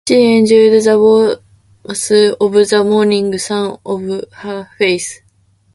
She enjoyed the warmth of the morning sun on her face.